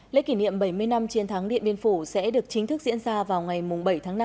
lễ kỷ niệm bảy mươi năm chiến thắng điện biên phủ sẽ được chính thức diễn ra vào ngày bảy tháng năm